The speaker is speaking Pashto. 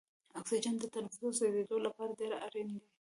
اکسیجن د تنفس او سوځیدو لپاره ډیر اړین دی.